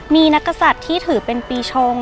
มีนักกษัตริย์ที่ถือเป็นปีชง